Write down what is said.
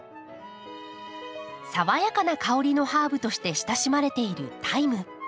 爽やかな香りのハーブとして親しまれているタイム。